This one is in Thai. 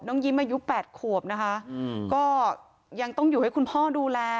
ยิ้มอายุ๘ขวบนะคะก็ยังต้องอยู่ให้คุณพ่อดูแล